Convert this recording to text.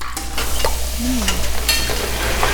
Menni.